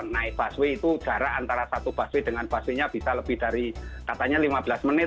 naik busway itu jarak antara satu busway dengan busway nya bisa lebih dari katanya lima belas menit